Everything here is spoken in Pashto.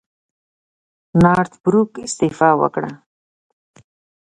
نارت بروک استعفی وکړه.